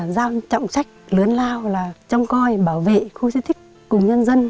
giao trọng trách lớn lao là trông coi bảo vệ khu di tích cùng nhân dân